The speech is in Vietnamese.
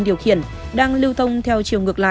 điều khiển đang lưu thông theo chiều ngược lại